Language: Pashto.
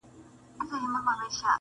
بې له خاورو چي سرونه د زلمو خوري